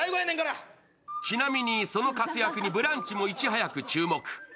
ちなみにその活躍に「ブランチ」もいち早く注目。